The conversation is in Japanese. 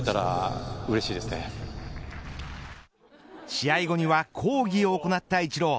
試合後には講義を行ったイチロー。